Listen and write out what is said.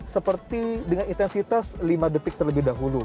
seperti dengan intensitas lima detik terlebih dahulu